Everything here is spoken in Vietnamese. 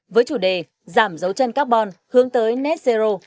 với chủ đề giảm dấu chân carbon hướng tới net zero